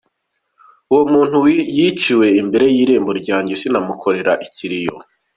Uwo muntu yiciwe imbere y’irembo ryanjye sinamukorera ikiriyo.